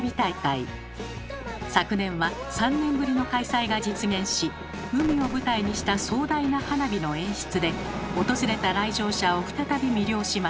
昨年は３年ぶりの開催が実現し海を舞台にした壮大な花火の演出で訪れた来場者を再び魅了しました。